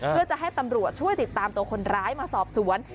เพื่อจะให้ตำรวจช่วยติดตามตัวคนร้ายมาสอบสวน